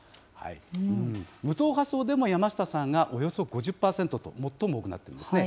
無党派層でも山下さんがおよそ５０％と、最も多くなっているんですね。